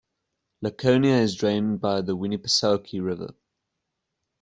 Laconia is drained by the Winnipesaukee River.